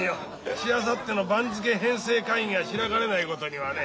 しあさっての番付編成会議が開かれないことにはね。